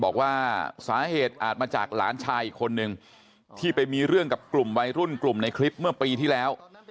บอกว่าสาเหตุอาจมาจากหลานชายอีกคนนึงที่ไปมีเรื่องกับกลุ่มวัยรุ่นกลุ่มในคลิปเมื่อปีที่แล้ว